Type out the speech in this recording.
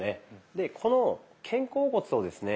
でこの肩甲骨をですね